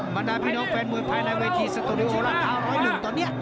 บรรดาพี่นกแฟนมือภายในวิธีสตูดิโอลันด์๕๐๑ตอนนี้